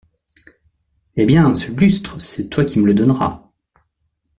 Eh ! bien, ce lustre, c’est toi qui me le donneras.